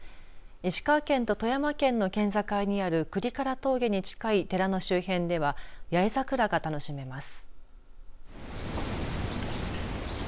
石川県と富山県の県境にある倶利伽羅峠に近い寺の周辺では八重桜が楽しめます。